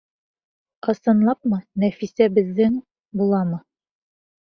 Ысынлапмы, Нәфисә, беҙҙең буламы?